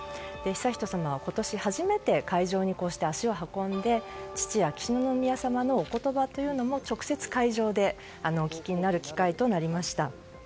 悠仁さまは今年初めて会場に足を運んで父・秋篠宮さまのお言葉というのも直接会場でお聞きになる機会となりました。